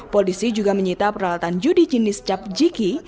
polisi juga menyita peralatan judi jenis capjiki